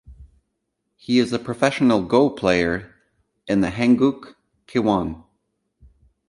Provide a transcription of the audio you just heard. He is a professional Go player in the Hanguk Kiwon.